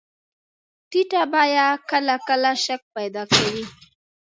ټیټه بیه کله کله شک پیدا کوي.